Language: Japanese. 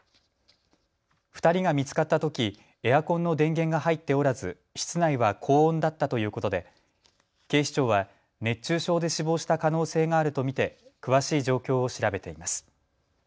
２人が見つかったときエアコンの電源が入っておらず室内は高温だったということで警視庁は熱中症で死亡した可能性があると見て詳しい状況を調べています。